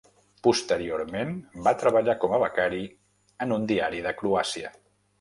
Posteriorment va treballar com a becari en un diari de Croàcia.